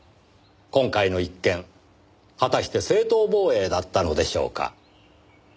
今回の一件果たして正当防衛だったのでしょうか？